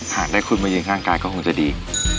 หากได้คุณมายืนข้างกายก็คงจะดี